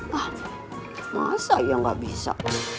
wah masa ya gak bisa